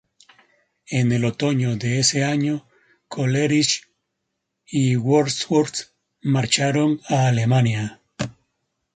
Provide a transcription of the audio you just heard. En el otoño de ese año Coleridge y Wordsworth marcharon a Alemania.